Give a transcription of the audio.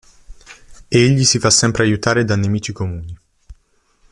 Egli si fa sempre aiutare da nemici comuni.